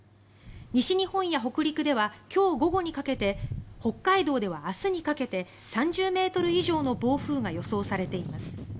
西日本や北陸では今日午後にかけて北海道では明日にかけて３０ｍ以上の暴風が予想されています。